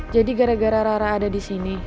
jadi gara gara rara ada disini